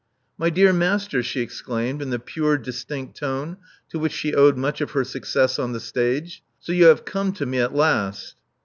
My dear master," she exclaimed, in the pure, dis tinct tone to which she owed much of her success on the stage. So you have come to me at last."